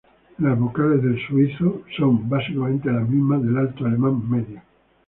Las vocales del suizo son básicamente las mismas del alto alemán medio.